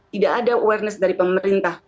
tidak ada awareness dari pemerintah